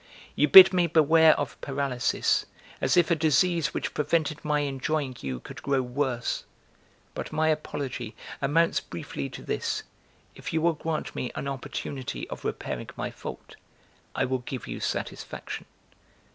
You bid me beware of paralysis; as if a disease which prevented my enjoying you could grow worse! But my apology amounts briefly to this; if you will grant me an opportunity of repairing my fault, I will give you satisfaction.